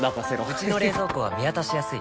うちの冷蔵庫は見渡しやすい